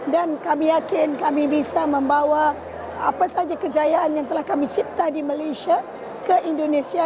dan kami yakin kami bisa membawa apa saja kejayaan yang telah kami cipta di malaysia ke indonesia